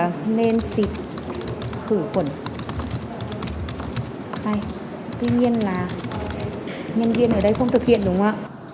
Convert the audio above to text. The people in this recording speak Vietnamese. tuy nhiên là nhân viên ở đây không thực hiện đúng không ạ